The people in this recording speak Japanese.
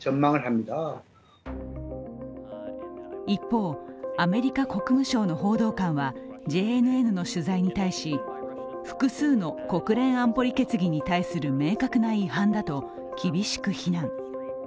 一方、アメリカ国務省の報道官はＪＮＮの取材に対し、複数の国連安保理決議に対する明確な違反だと厳しく非難。